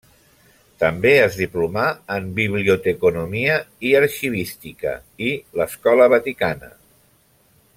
També es diplomà en Biblioteconomia i Arxivística i l'Escola Vaticana.